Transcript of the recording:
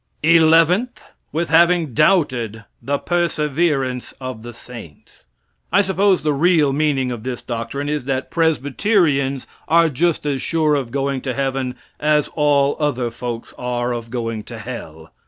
Eleventh. With having doubted the "perseverance of the saints." I suppose the real meaning of this doctrine is that Presbyterians are just as sure of going to heaven as all other folks are of going to hell.